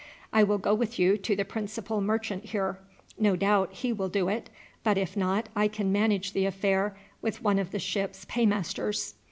I will go with you to the principal merchant here. No doubt he will do it, but if not I can manage the affair with one of the ships' paymasters."